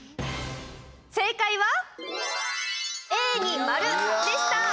正解は「エー」に丸でした。